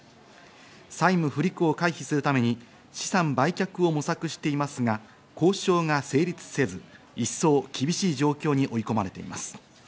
債務不履行を回避するために資産売却を模索していますが、交渉が成立せず一層、厳しい状況に追い込まれています。